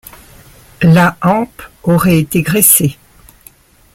La hampe aurait été graissée.